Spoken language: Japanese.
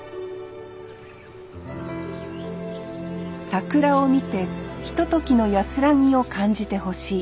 桜を見てひとときの安らぎを感じてほしい。